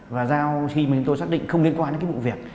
và sau khi chúng tôi xác định không liên quan đến cái vụ việc